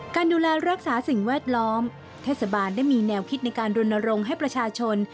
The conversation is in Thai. การดูแลรักษาสิ่งแวดล้อมเทศบาลได้มีแนวคิดในการรณรงค์ให้ประชาชน